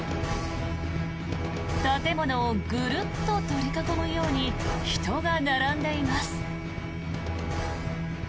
建物をぐるっと取り囲むように人が並んでいます。